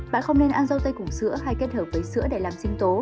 bạn không nên ăn rau tây cùng sữa hay kết hợp với sữa để làm sinh tố